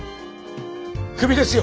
クビですよ